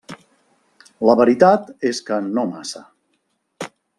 La veritat és que no massa.